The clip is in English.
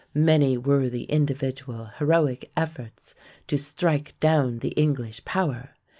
Many were the individual heroic efforts to strike down the English power.